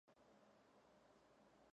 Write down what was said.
სიმღერაში გიტარაზე უკრავს ენდი სამერსი.